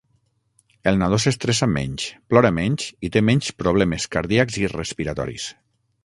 El nadó s'estressa menys, plora menys i té menys problemes cardíacs i respiratoris.